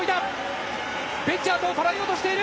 ベッジャートを捉えようとしている！